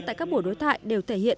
tại các buổi đối thại đều thể hiện